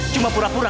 cuma pura pura pak